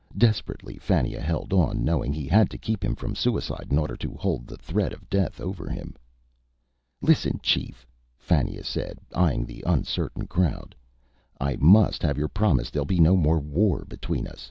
Desperately, Fannia held on, knowing he had to keep him from suicide in order to hold the threat of death over him. "Listen, Chief," Fannia said, eying the uncertain crowd. "I must have your promise there'll be no more war between us.